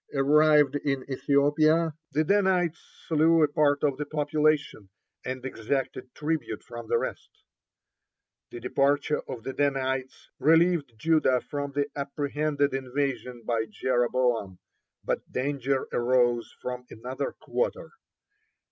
Arrived in Ethiopia, the Danites slew a part of the population, and exacted tribute from the rest. (12) The departure of the Danites relieved Judah from the apprehended invasion by Jeroboam, but danger arose from another quarter.